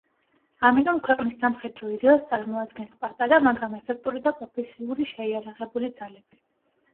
ამიტომ, ქვეყნის სამხედრო იდეალს წარმოადგენს პატარა, მაგრამ ეფექტური და პროფესიული შეიარაღებული ძალები.